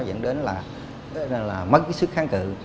dẫn đến là mất cái sức kháng cự